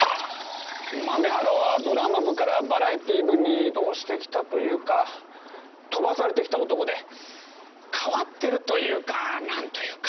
豆原はドラマ部からバラエティー部に異動してきたというか飛ばされてきた男で変わってるというか何というか。